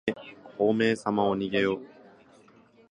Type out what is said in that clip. ほうめいさまおにげよ。